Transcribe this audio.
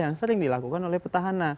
yang sering dilakukan oleh petahana